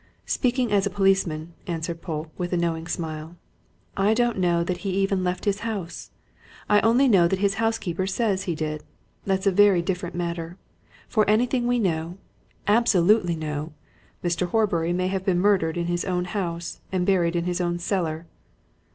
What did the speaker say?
"Speaking as a policeman," answered Polke, with a knowing smile, "I don't know that he even left his house. I only know that his housekeeper says he did. That's a very different matter. For anything we know absolutely know! Mr. Horbury may have been murdered in his own house, and buried in his own cellar."